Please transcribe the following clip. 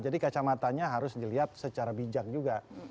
jadi kacamatanya harus dilihat secara bijak juga